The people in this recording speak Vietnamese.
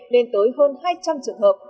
lên tới hơn hai trăm linh trường hợp